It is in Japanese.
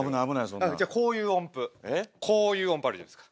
じゃあこういう音符こういう音符あるじゃないですか。